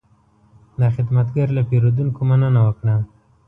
دا خدمتګر له پیرودونکو مننه وکړه.